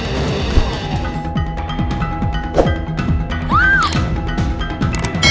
kalian tunggu sini ya